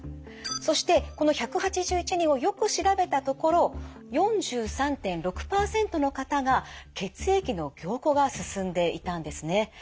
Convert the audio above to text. そしてこの１８１人をよく調べたところ４３．６％の方が血液の凝固が進んでいたんですね。